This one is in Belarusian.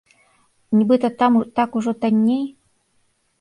Нібыта там так ужо танней?